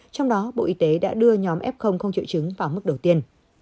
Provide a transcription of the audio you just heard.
trong đó bộ y tế đã đưa nhóm f không chịu trứng vào mức đầu tiên